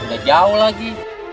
udah jauh lagi